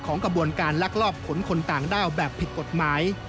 ของกระบวนการลักลอบผลคนต่างด้าวแบบผิดปฏิบัติไม้